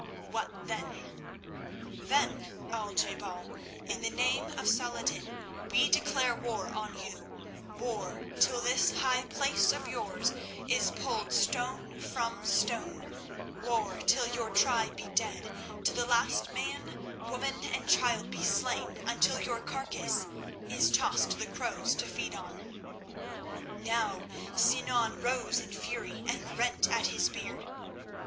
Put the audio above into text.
"What then?" "Then, Al je bal, in the name of Salah ed din, we declare war on you—war till this high place of yours is pulled stone from stone; war till your tribe be dead, till the last man, woman, and child be slain, until your carcass is tossed to the crows to feed on." Now Sinan rose in fury and rent at his beard.